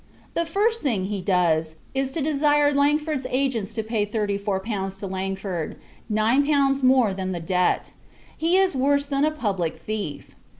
The first thing he does, is to desire Langford's agents to pay thirty four pounds for Langford, nine pounds more than the debt. He is worse than a public thief.